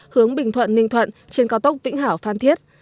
hướng bình thuận ninh thuận trên cao tốc vĩnh hảo phan thiết